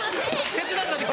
切なくなって。